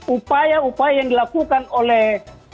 upaya upaya yang dilakukan oleh